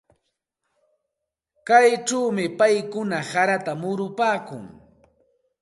Kaychawmi paykuna harata murupaakun.